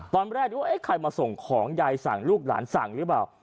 ตอนแรกนึกว่าใครมาส่งของยายสั่งลูกหลานสั่งหรือเปล่า